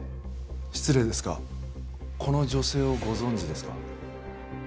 失礼ですがこの女性をご存じですか？